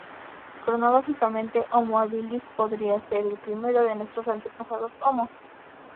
Cronológicamente, "Homo habilis" podría ser el primero de nuestros antepasados "Homo".